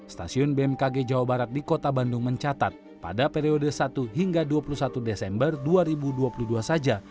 stasiun bmkg jawa barat di kota bandung mencatat pada periode satu hingga dua puluh satu desember dua ribu dua puluh dua saja